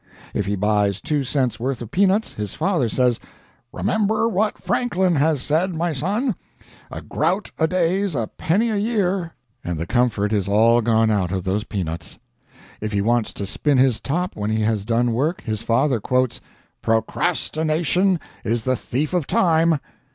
If he buys two cents' worth of peanuts, his father says, "Remember what Franklin has said, my son 'A grout a day's a penny a year"'; and the comfort is all gone out of those peanuts. If he wants to spin his top when he has done work, his father quotes, "Procrastination is the thief of time."